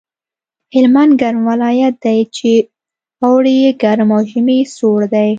هلمند ګرم ولایت دی چې اوړی یې ګرم او ژمی یې سوړ دی